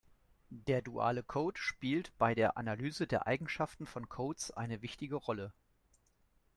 Der duale Code spielt bei der Analyse der Eigenschaften von Codes eine wichtige Rolle.